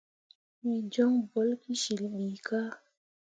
Wǝ jon bolle ki cil ɓii kah.